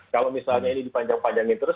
kalau misalnya ini dipanjang panjangin terus